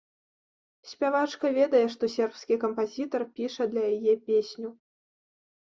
Спявачка ведае, што сербскі кампазітар піша для яе песню.